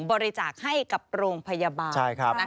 บริจาคให้กับโรงพยาบาล